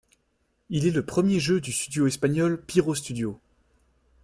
Il est le premier jeu du studio espagnol Pyro Studios.